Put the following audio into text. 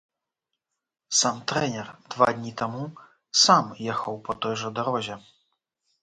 Сам трэнер два дні таму сам ехаў па той жа дарозе.